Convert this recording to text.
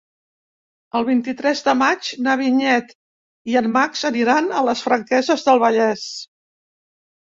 El vint-i-tres de maig na Vinyet i en Max aniran a les Franqueses del Vallès.